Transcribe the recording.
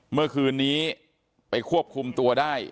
เมื่อคืนนี้ไปควบคุมตัวได้